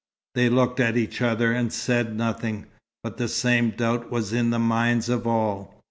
They looked at each other, and said nothing, but the same doubt was in the minds of all.